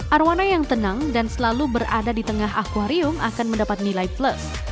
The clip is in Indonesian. arwana yang tenang dan selalu berada di tengah akwarium akan mendapat nilai plus